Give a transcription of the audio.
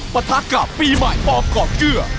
ประทักกรรมปีใหม่ปเกาะเกื้อ